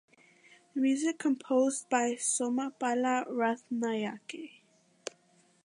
Music composed by Somapala Rathnayake.